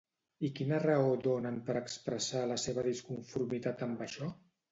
I quina raó donen per expressar la seva disconformitat amb això?